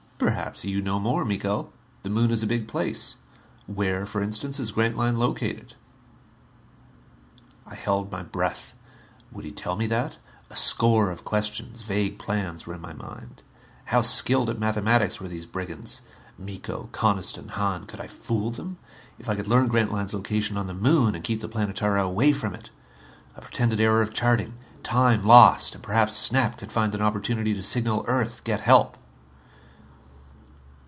"Perhaps you know more, Miko. The Moon is a big place. Where, for instance, is Grantline located?" I held my breath. Would he tell me that? A score of questions vague plans were in my mind. How skilled at mathematics were these brigands? Miko, Coniston, Hahn could I fool them? If I could learn Grantline's location on the Moon, and keep the Planetara away from it. A pretended error of charting. Time lost and perhaps Snap could find an opportunity to signal Earth, get help.